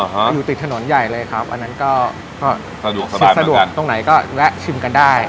อ๋อฮะอยู่ติดถนนใหญ่เลยครับอันนั้นก็ก็สะดวกสบายเหมือนกันชิดสะดวกตรงไหนก็แวะชิมกันได้